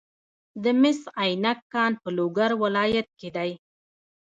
د مس عینک کان په لوګر ولایت کې دی.